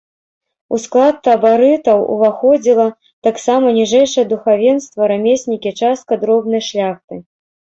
У склад табарытаў уваходзіла таксама ніжэйшае духавенства, рамеснікі, частка дробнай шляхты.